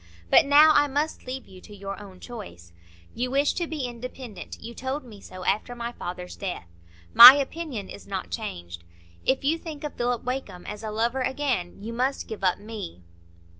But now I must leave you to your own choice. You wish to be independent; you told me so after my father's death. My opinion is not changed. If you think of Philip Wakem as a lover again, you must give up me."